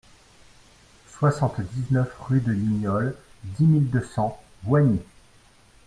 soixante-dix-neuf rue de Lignol, dix mille deux cents Voigny